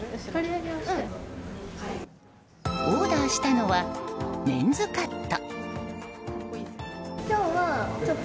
オーダーしたのはメンズカット。